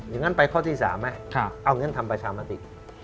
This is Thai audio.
งั้นไปข้อที่๓ไหมเอางั้นทำประชามติ